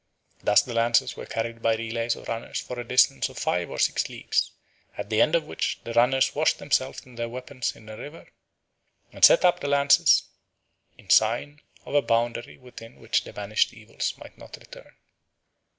Thus the lances were carried by relays of runners for a distance of five or six leagues, at the end of which the runners washed themselves and their weapons in rivers, and set up the lances, in sign of a boundary within which the banished evils might not return.